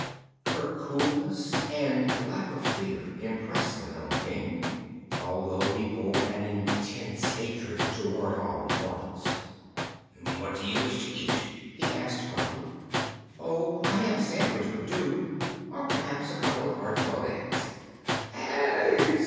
Her coolness and lack of fear impressed the Nome King, although he bore an intense hatred toward all mortals. "What do you wish to eat?" he asked gruffly. "Oh, a ham sandwich would do, or perhaps a couple of hard boiled eggs " "Eggs!"